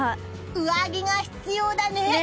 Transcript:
上着が必要だね。